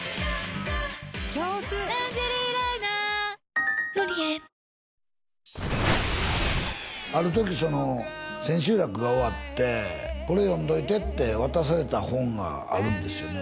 「超薄ランジェリーライナー」「ロリエ」あるときその千秋楽が終わってこれ読んどいてって渡された本があるんですよね